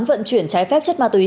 vận chuyển trái phép chất ma túy